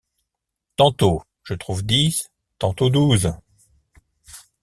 Tantôt je trouve dix, tantôt douze.